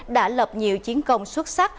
đã lập nhiều chiến công xuất sắc